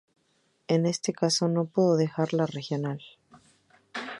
En este caso no pudo dejar la regional.